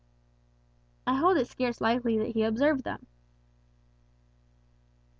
"I hold it scarce likely that he observed them."